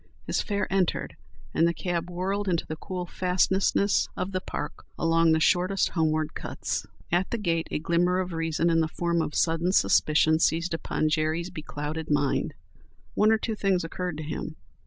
His fare entered, and the cab whirled into the cool fastnesses of the park along the shortest homeward cuts. At the gate a glimmer of reason in the form of sudden suspicion seized upon Jerry's beclouded mind. One or two things occurred to him.